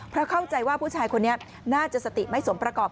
เพราะเข้าใจว่าผู้ชายคนนี้น่าจะสติไม่สมประกอบ